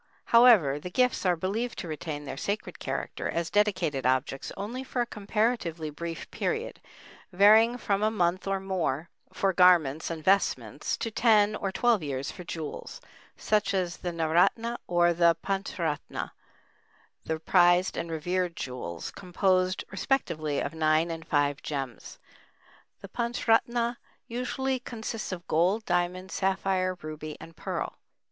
However, the gifts are believed to retain their sacred character as dedicated objects only for a comparatively brief period, varying from a month or more for garments and vestments, to ten or twelve years for jewels, such as the naoratna or the panchratna, the prized and revered jewels, composed respectively of nine and five gems. The panchratna usually consists of gold, diamond, sapphire, ruby, and pearl.